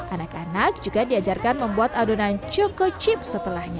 anak anak juga diajarkan membuat adonan chuco chip setelahnya